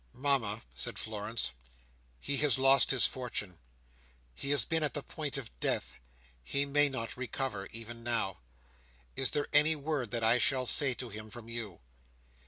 "Mama," said Florence, "he has lost his fortune; he has been at the point of death; he may not recover, even now. Is there any word that I shall say to him from you?"